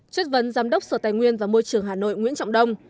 chuyên vấn giám đốc sở tài nguyên và môi trường hà nội nguyễn trọng đông